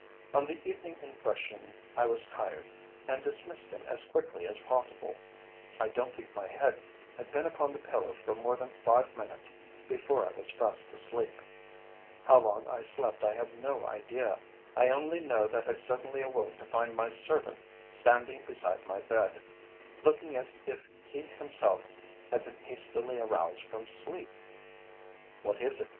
On the evening in question I was tired, and dismissed him as quickly as possible. I don't think my head had been upon the pillow for more than five minutes before I was fast asleep. How long I slept I have no idea, I only know that I suddenly awoke to find my servant standing beside my bed, looking as if he himself had been hastily aroused from sleep. "'What is it?'